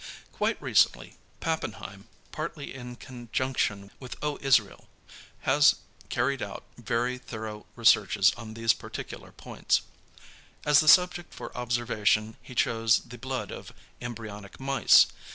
Quite recently Pappenheim, partly in conjunction with O. Israel, has carried out very thorough researches on these particular points. As the subject for observation he chose the blood of embryonic mice.